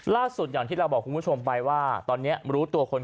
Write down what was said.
รวบถึงชั่วเวอร์